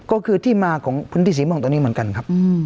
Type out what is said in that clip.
ก็คือที่มาของพื้นที่สีม่วงตัวนี้เหมือนกันครับ